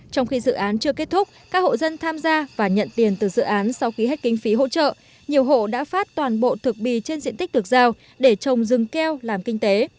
trong khi dự án chưa kết thúc các hộ dân tham gia và nhận tiền từ dự án sau khi hết kinh phí hỗ trợ nhiều hộ đã phát toàn bộ thực bì trên diện tích được giao để trồng rừng keo làm kinh tế